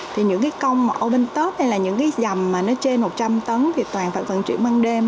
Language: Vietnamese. thì những cái công mà orbil top hay là những cái dầm mà nó trên một trăm linh tấn thì toàn phải vận chuyển ban đêm